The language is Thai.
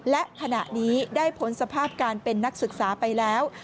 และขณะนี้ได้พ้นสภาพการเป็นนักศึกษาไปแล้ว